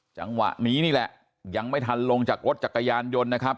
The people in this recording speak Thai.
จังหวะนี้นี่แหละยังไม่ทันลงจากรถจักรยานยนต์นะครับ